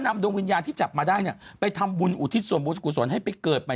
ดวงวิญญาณที่จับมาได้เนี่ยไปทำบุญอุทิศส่วนบุญกุศลให้ไปเกิดใหม่